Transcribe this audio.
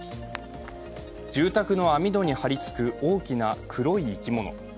住宅の網戸に張り付く大きな黒い生き物。